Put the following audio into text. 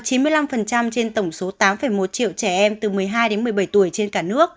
trên tổng số tám một triệu trẻ em từ một mươi hai đến một mươi bảy tuổi trên cả nước